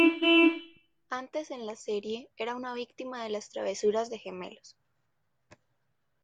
Antes en la serie, era una víctima de las travesuras de gemelos.